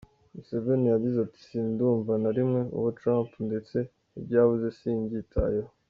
Museveni yagize ati “ Sindumva na rimwe uwo Trump ndetse ibyo yavuze simbyitayeho.